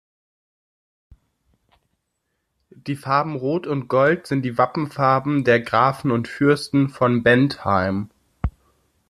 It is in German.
Die Farben Rot und Gold sind die Wappenfarben der Grafen und Fürsten von Bentheim.